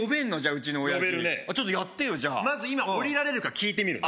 うちの親父呼べるねちょっとやってよじゃあまず今降りられるか聞いてみるね